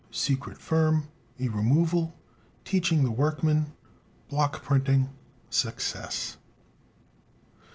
Secret Firm. A Removal. Teaching the Workmen. Block Printing. Success.